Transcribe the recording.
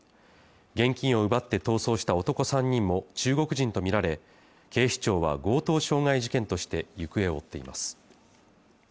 現金を奪って逃走した男３人も中国人と見られ警視庁は強盗傷害事件として行方を追っています